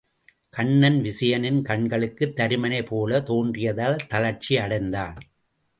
கன்னன் விசயனின் கண்களுக்குத் தருமனைப் போலத் தோன்றியதால் தளர்ச்சி அடைந்தான்.